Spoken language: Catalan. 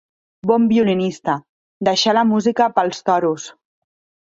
Bon violinista, deixà la música pels toros.